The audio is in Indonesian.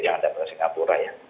ya ada di singapura ya